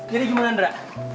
kiri gimana indra